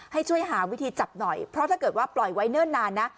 ให้ช่วยหาวิธีจับหน่อยเพราะถ้าเกิดว่าปล่อยไว้เนิ่นนานนะ